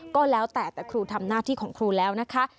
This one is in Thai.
ก็แล้วแต่แต่ครูทำหน้าที่ของครูแล้วนะคะ